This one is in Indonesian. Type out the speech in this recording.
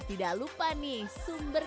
tidak lupa nih sumber